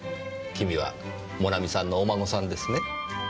君はモナミさんのお孫さんですね？